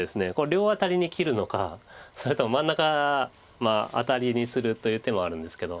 両アタリに切るのかそれとも真ん中アタリにするという手もあるんですけど。